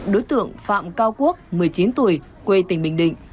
đối tượng phạm cao quốc một mươi chín tuổi quê tỉnh bình định